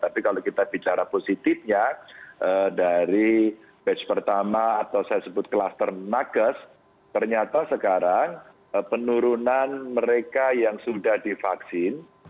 tapi kalau kita bicara positifnya dari batch pertama atau saya sebut klaster nagas ternyata sekarang penurunan mereka yang sudah divaksin